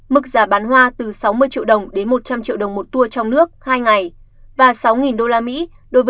mức giá bán hoa từ sáu mươi triệu đồng đến một trăm linh triệu đồng một tour trong nước